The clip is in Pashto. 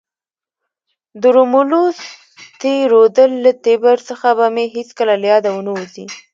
د رومولوس تی رودل له تیبر څخه به مې هیڅکله له یاده ونه وزي.